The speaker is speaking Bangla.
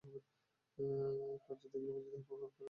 কার্য দেখিলেই বুঝিতে হইবে, উহা কারণেরই অন্যরূপে আবির্ভাব ঘটিয়াছে।